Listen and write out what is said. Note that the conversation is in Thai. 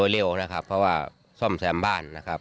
เร็วนะครับเพราะว่าซ่อมแซมบ้านนะครับ